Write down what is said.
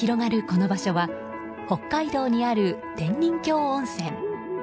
この場所は北海道にある天人峡温泉。